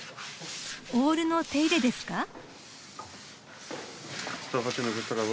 オールの手入れですか？